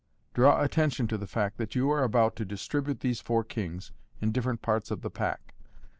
Draw attention to the fact that you are about to distribute these four kings in different parts of the pack.